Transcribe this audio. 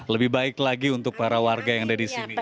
lebih baik lagi untuk para warga yang ada di sini